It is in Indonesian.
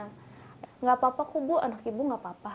gak apa apa kubu anak ibu gak apa apa